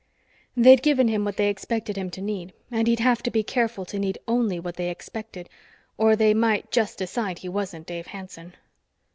They'd given him what they expected him to need, and he'd have to be careful to need only what they expected, or they might just decide he wasn't Dave Hanson.